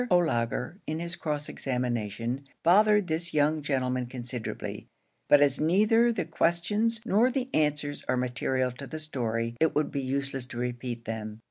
O'Laugher in his cross examination bothered this young gentleman considerably, but as neither the questions nor the answers are material to the story, it would be useless to repeat them.